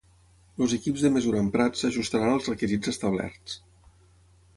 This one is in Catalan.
els equips de mesura emprats s'ajustaran als requisits establerts